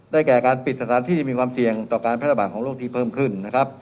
แก่การปิดสถานที่ที่มีความเสี่ยงต่อการแพร่ระบาดของโรคที่เพิ่มขึ้นนะครับ